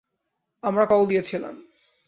আমরা কল দিয়েছিলাম।